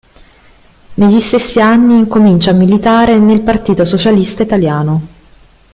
Negli stessi anni incomincia a militare nel Partito Socialista Italiano.